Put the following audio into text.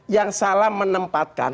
yang salah menempatkan